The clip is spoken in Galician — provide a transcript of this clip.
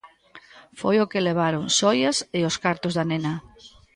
Foi o que levaron; xoias e os cartos da nena.